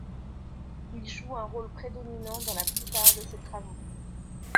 Il joue un rôle prédominant dans la plupart de ses travaux.